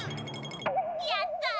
やった！